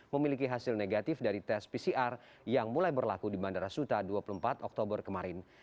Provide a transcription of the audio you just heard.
memiliki hasil negatif dari tes pcr yang mulai berlaku di bandara suta dua puluh empat oktober kemarin